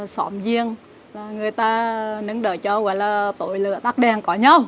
xóm riêng người ta đứng đợi cho quay là tội lửa tắt đèn có nhau